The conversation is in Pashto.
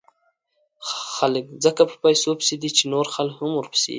خلک ځکه په پیسو پسې دي، چې نور خلک هم ورپسې دي.